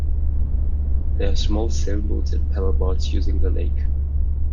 There are small sailboats and paddleboats using the lake.